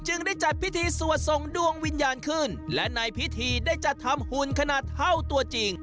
ได้จัดพิธีสวดส่งดวงวิญญาณขึ้นและในพิธีได้จัดทำหุ่นขนาดเท่าตัวจริง